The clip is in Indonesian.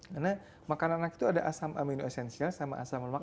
karena makanan anak itu ada asam amino esensial sama asam lemak esensial